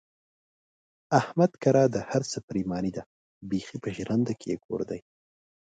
احمد کره د هر څه پرېماني ده، بیخي په ژرنده کې یې کور دی.